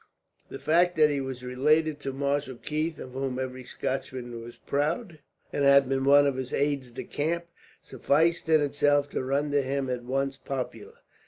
The fact that he was related to Marshal Keith, of whom every Scotchman was proud, and had been one of his aides de camp, sufficed in itself to render him at once popular.